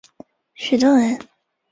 许洞人。